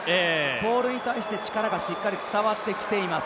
ポールに対して力がしっかり伝わってきています。